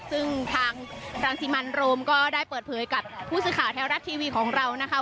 ซึ่งทางรังสิมันโรมก็ได้เปิดเผยกับผู้สื่อข่าวแท้รัฐทีวีของเรานะคะ